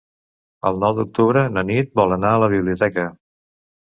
El nou d'octubre na Nit vol anar a la biblioteca.